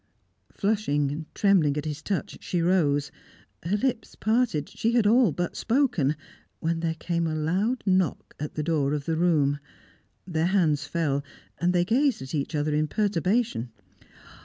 Flushing, trembling at his touch, she rose. Her lips parted; she had all but spoken; when there came a loud knock at the door of the room. Their hands fell, and they gazed at each other in perturbation.